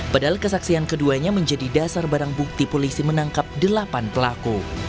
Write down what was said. padahal kesaksian keduanya menjadi dasar barang bukti polisi menangkap delapan pelaku